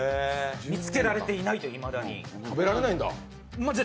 見つけられていないという、いまだに。